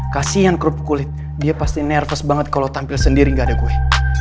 kasian kerupuk kulit dia pasti nervous banget kalau tampil sendiri gak ada kue